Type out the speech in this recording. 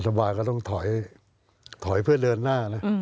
รัฐบาลก็ต้องถอยเพื่อเดินหน้า